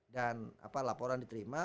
dan apa laporan diterima